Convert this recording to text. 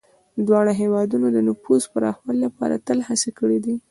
دواړه هېوادونه د نفوذ پراخولو لپاره تل هڅې کړي دي.